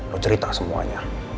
lu cerita semuanya